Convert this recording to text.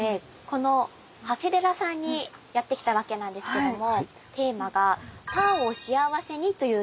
この長谷寺さんにやって来たわけなんですけどもテーマが「ファンをしあわせに」というテーマなんですね。